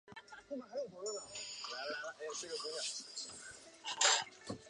庐山瓦韦为水龙骨科瓦韦属下的一个种。